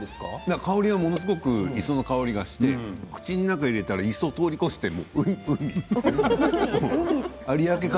香りはものすごく磯の香りがして口の中に入れたら磯を通り越して海。